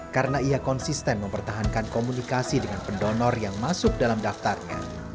karena ia konsisten mempertahankan komunikasi dengan pendonor yang masuk dalam daftarnya